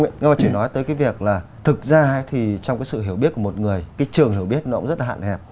nhưng mà chỉ nói tới việc thực ra trong sự hiểu biết của một người trường hiểu biết rất hạn hẹp